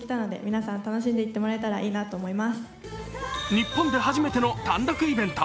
日本で初めての単独イベント。